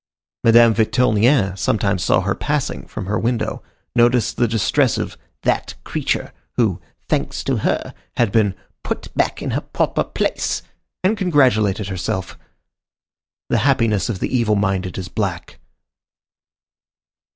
Madame Victurnien sometimes saw her passing, from her window, noticed the distress of "that creature" who, "thanks to her," had been "put back in her proper place," and congratulated herself. The happiness of the evil minded is black.